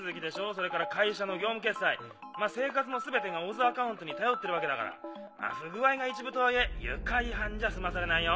それから会社の業務決済生活の全てがＯＺアカウントに頼ってるわけだから不具合が一部とはいえ愉快犯じゃ済まされないよ。